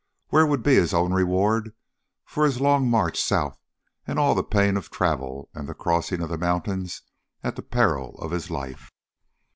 Where would be his own reward for his long march south and all the pain of travel and the crossing of the mountains at the peril of his life?